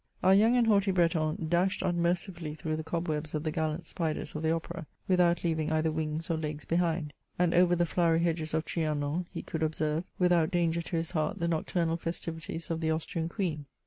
Our young and haughty Breton dashed unmercifully through the cobwebs of the gallant spiders of the Opera, without leaving either wings or legs behind; and over the flowery hedges of Trianon, he could observe, without danger to his heart, the nocturnal festivities of the Austrian Queen.